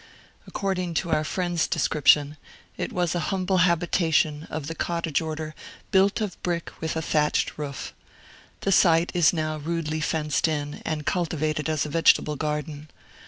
According to our friend's description, it was a humble habitation, of the cottage order, built of brick, with a thatched roof. The site is now rudely fenced in, and cultivated as a vegetable garden.